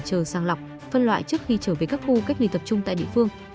chờ sàng lọc phân loại trước khi trở về các khu cách ly tập trung tại địa phương